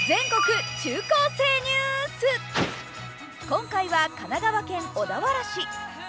今回は、神奈川県小田原市。